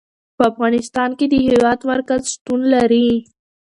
په افغانستان کې د هېواد مرکز شتون لري.